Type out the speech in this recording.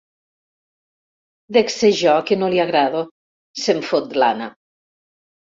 Dec ser jo, que no li agrado —se'n fot l'Anna—.